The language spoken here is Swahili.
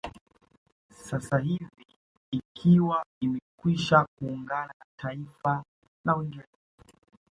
Sasa hivi ikiwa imekwisha kuungana na taifa la Uingerza